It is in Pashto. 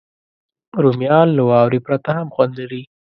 رومیان له واورې پرته هم خوند لري